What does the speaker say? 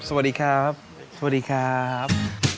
สวัสดีครับสวัสดีครับ